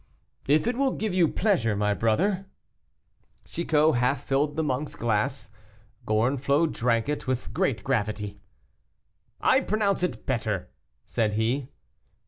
"If it will give you pleasure, my brother." Chicot half filled the monk's glass. Gorenflot drank it with great gravity. "I pronounce it better," said he.